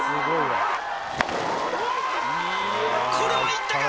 これはいったか？